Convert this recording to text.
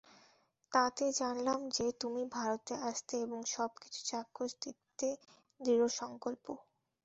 তাতে জানলাম যে, তুমি ভারতে আসতে এবং সব কিছু চাক্ষুষ দেখতে দৃঢ়সঙ্কল্প।